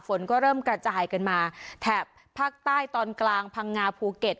ฝนก็เริ่มกระจายกันมาแถบภาคใต้ตอนกลางพังงาภูเก็ต